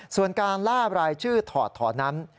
ส่วนการล่ารายชื่อถอดถอนนั้น